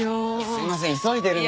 すいません急いでるんで。